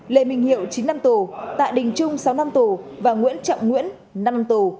lê minh hiệu chín năm tù tạ đình trung sáu năm tù và nguyễn trọng nguyễn năm năm tù